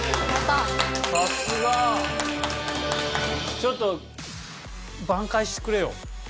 ちょっと挽回してくれよ。